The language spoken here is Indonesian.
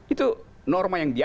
itu norma yang biasa